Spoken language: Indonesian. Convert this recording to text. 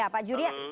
ya pak juri